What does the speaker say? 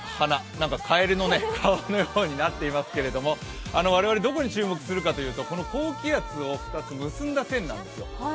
何かカエルの顔のようになっていますけど、我々、どこに注目するかというと、この高気圧を２つ結んだ線なんです